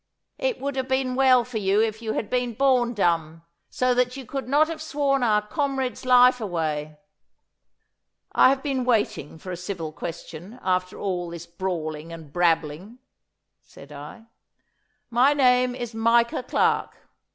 It would have been well for you if you had been born dumb, so that you could not have sworn our comrade's life away.' 'I have been waiting for a civil question after all this brawling and brabbling,' said I. 'My name is Micah Clarke.